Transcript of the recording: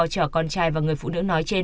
chở con trai và người phụ nữ nói trên